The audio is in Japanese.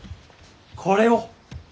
これを。